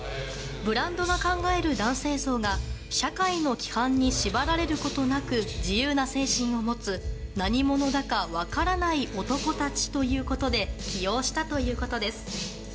ブランドが考える男性像が社会の規範に縛られることなく自由な精神を持つ何者だか分からない男たちということで起用したということです。